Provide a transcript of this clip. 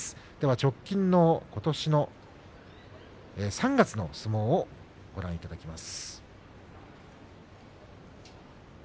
直近のことしの３月の相撲をご覧いただきます。